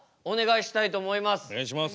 お願いします。